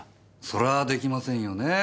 そらあできませんよねえ。